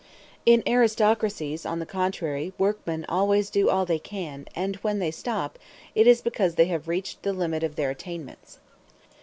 In aristocracies, on the contrary, workmen always do all they can; and when they stop, it is because they have reached the limit of their attainments.